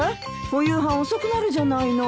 お夕飯遅くなるじゃないの。